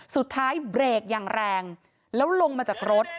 เบรกอย่างแรงแล้วลงมาจากรถ